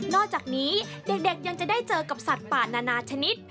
อกจากนี้เด็กยังจะได้เจอกับสัตว์ป่านานาชนิด